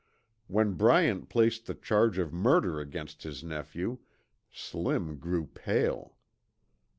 When Bryant placed the charge of murder against his nephew, Slim grew pale.